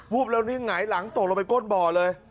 บแล้วนี่หงายหลังตกลงไปก้นบ่อเลย